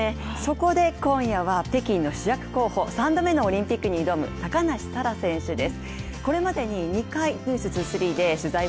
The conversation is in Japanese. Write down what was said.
そこで今夜は北京の主役候補３度目のオリンピックに挑む、高梨沙羅選手です。